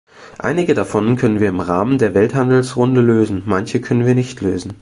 Einige davon können wir im Rahmen der Welthandelsrunde lösen, manche können wir nicht lösen.